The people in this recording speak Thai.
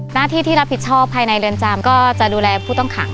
หน้าที่ที่รับผิดชอบภายในเรือนจำก็จะดูแลผู้ต้องขัง